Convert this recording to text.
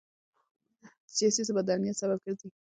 سیاسي ثبات د امنیت سبب ګرځي